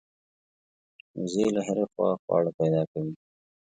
وزې له هرې خوا خواړه پیدا کوي